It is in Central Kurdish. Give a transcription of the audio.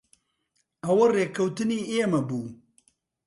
ئەوە ڕێککەوتنی ئێمە بوو.